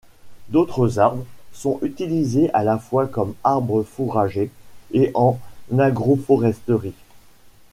D'autres arbres sont utilisés à la fois comme arbre fourrager et en agroforesterie.